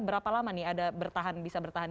berapa lama nih ada bertahan bisa bertahan